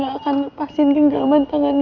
gue gak akan lepasin genggaman tangan gue